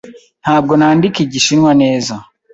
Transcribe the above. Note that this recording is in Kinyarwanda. Ntabwo nandika Igishinwa neza.